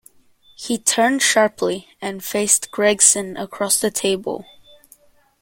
He turned sharply, and faced Gregson across the table.